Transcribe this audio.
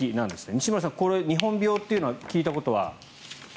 西村さん、日本病というのは聞いたことは？